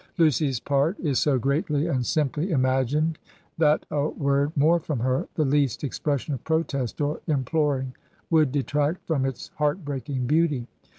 Lucy's part is so greatly and simply imagined that a word more from her, the least expression of protest or imploring would detract from its heart breaking beauty.